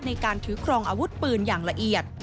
ในการถือครองอาวุธปืนอย่างละเอียด